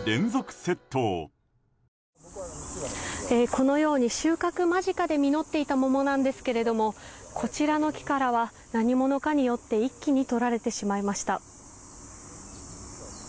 このように、収穫間近で実っていた桃なんですがこちらの木からは何者かによって一気に取られてしまいました。